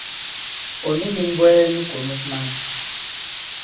Ɔ̀ ni ndī m̀bwɛɛ nu kònos man.